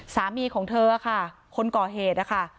สามีของเธอค่ะคนก่อเหตุนะคะ